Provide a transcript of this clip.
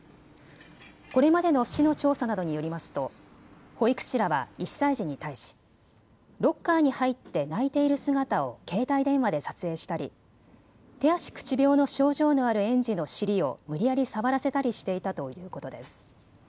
これまでの市の調査などによりますと保育士らは１歳児に対し、ロッカーに入って泣いている姿を携帯電話で撮影したり手足口病の症状のある園児の尻を無理やり触らせたりしていたということです。